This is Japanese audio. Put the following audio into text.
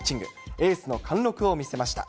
エースの貫録を見せました。